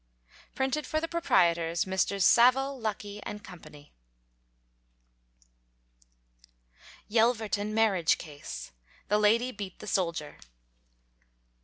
Printed for the Proprietors, Messrs. Saville, Lucky, & Co. YELVERTON MARRIAGE CASE. THE LADY BEAT THE SOLDIER.